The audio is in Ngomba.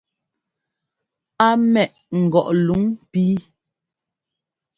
Á ḿmɛʼ ŋgɔʼ luŋ píi.